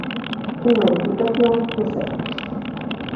Unha edificación do século.